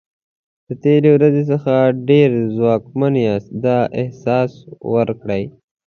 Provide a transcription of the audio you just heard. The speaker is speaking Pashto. د تېرې ورځې څخه ډېر ځواکمن یاست دا احساس ورکړئ.